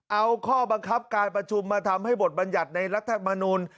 เอาข้อบังคับการประชุมมาทำให้บทบรรยัติในรัฐมนูล